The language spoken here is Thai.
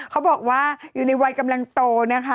เขาบอกว่าอยู่ในวัยกำลังโตนะคะ